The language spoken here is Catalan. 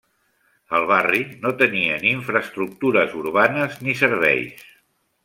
El barri no tenia ni infraestructures urbanes ni serveis.